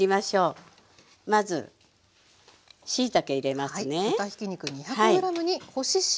まずしいたけ入れますね。